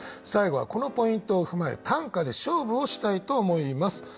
最後はこのポイントを踏まえ短歌で勝負をしたいと思います。